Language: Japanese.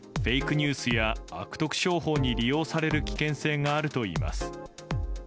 ニュースや悪徳商法に利用される危険性があるといいます。